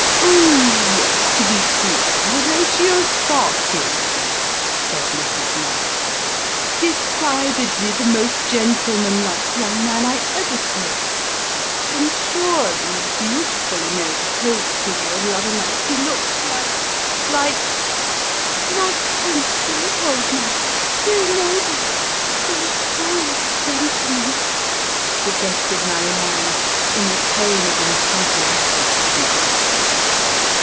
"Oh! yes, to be sure Horatio Sparkins," said Mrs. Maldertou. "Decidedly the most gentleman like young man I ever saw. I am sure in the beautifully made coat he wore the other night, he looked like like " 268 Sketches by Boz. " Like Prince Leopold, ma so noble, so full of sentiment !" sug gested Marianne, in a tone of enthusiastic admiration.